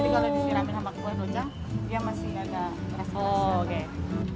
jadi kalau disiramin sama kuah docang dia masih agak keras keras